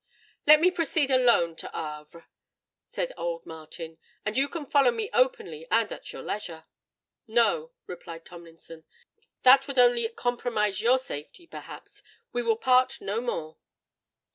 "Let me proceed alone to Havre," said old Martin; "and you can follow me openly and at your leisure." "No," replied Tomlinson; "that would only be to compromise your safety, perhaps. We will part no more."